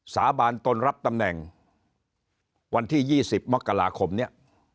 สาบานตนรับตำแหน่งวันที่๒๐มกราคมเนี่ย